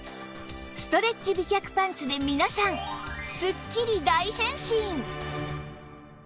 ストレッチ美脚パンツで皆さんすっきり大変身！